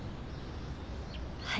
はい。